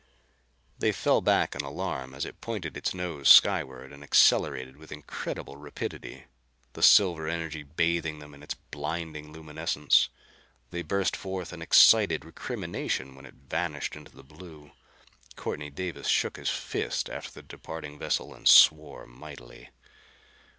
They fell back in alarm as it pointed its nose skyward and accelerated with incredible rapidity, the silver energy bathing them in its blinding luminescence. They burst forth in excited recrimination when it vanished into the blue. Courtney Davis shook his fist after the departing vessel and swore mightily.